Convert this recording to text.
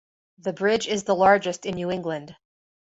The bridge is the largest in New England.